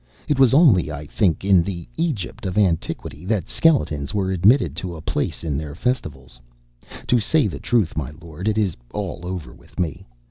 It was only, I think, in the Egypt of antiquity that skeletons were admitted to a place in their festivals. To say the truth, my lord, it is all over with me.